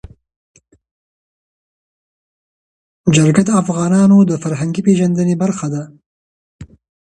جلګه د افغانانو د فرهنګي پیژندنې برخه ده.